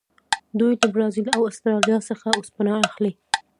دوی له برازیل او اسټرالیا څخه اوسپنه اخلي.